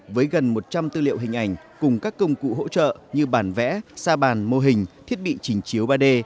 với gần một trăm linh tư liệu hình ảnh cùng các công cụ hỗ trợ như bản vẽ xa bàn mô hình thiết bị trình chiếu ba d